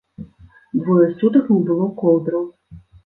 Двое сутак не было коўдраў.